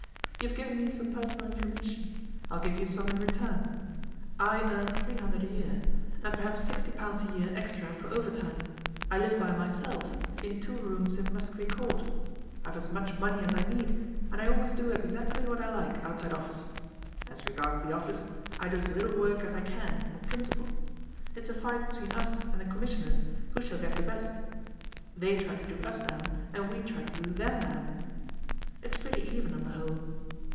You've given me some personal information; I'll give you some in return. I earn three hundred a year, and perhaps sixty pounds a year extra for overtime. I live by myself in two rooms in Muscovy Court. I've as much money as I need, and I always do exactly what I like outside office. As regards the office, I do as little work as I can, on principle it's a fight between us and the Commissioners who shall get the best. They try to do us down, and we try to do them down it's pretty even on the whole.